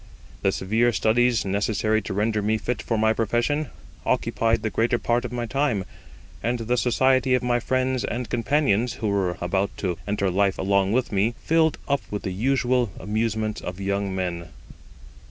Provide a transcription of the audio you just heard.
The severe studies necessary to render me fit for my profession occupied the greater part of my time; and the society of my friends and companions, who were about to enter life along with, me, filled up the interval with the usual amusements of young men.